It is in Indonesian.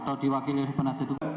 atau diwakili penasihat hukum